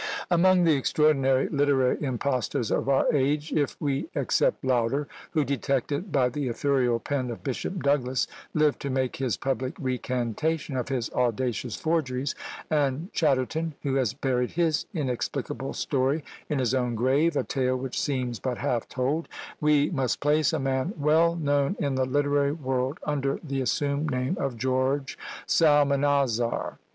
Among the extraordinary literary impostors of our age if we except Lauder, who, detected by the Ithuriel pen of Bishop Douglas, lived to make his public recantation of his audacious forgeries, and Chatterton, who has buried his inexplicable story in his own grave, a tale, which seems but half told we must place a man well known in the literary world under the assumed name of George Psalmanazar.